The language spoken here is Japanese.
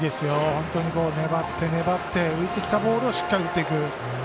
本当に粘って粘って浮いてきたボールをしっかり打っていく。